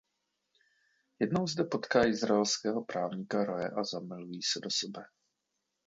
Jednou zde potká izraelského právníka Roye a zamilují se do sebe.